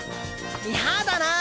やだなぁ